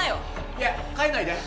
いや帰んないで。